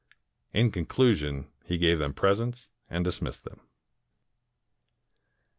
In conclusion he gave them presents and dismissed them.